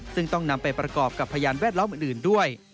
ซึ่งต้องนำไปประกอบกับพยานแวดล้อมอื่นด้วย